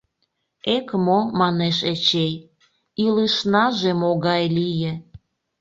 — Эк-мо, — манеш Эчей, — илышнаже могай лие!